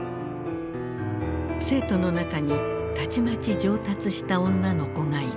生徒の中にたちまち上達した女の子がいた。